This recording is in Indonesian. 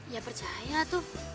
ya percaya tuh